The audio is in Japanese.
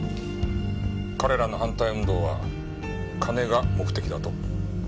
彼らの反対運動は金が目的だと？